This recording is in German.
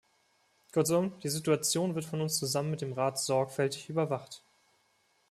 Kurzum, die Situation wird von uns zusammen mit dem Rat sorgfältig überwacht.